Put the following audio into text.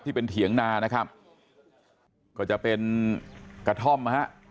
เถียงนานะครับก็จะเป็นกระท่อมนะฮะ